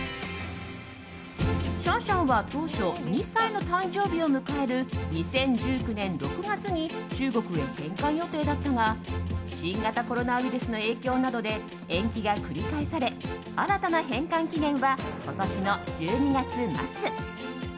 シャンシャンは当初２歳の誕生日を迎える２０１９年６月に中国へ返還予定だったが新型コロナウイルスの影響などで延期が繰り返され新たな返還期限は今年の１２月末。